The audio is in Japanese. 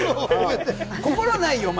心無いよ、お前。